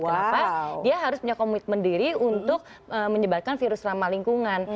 kenapa dia harus punya komitmen diri untuk menyebarkan virus ramah lingkungan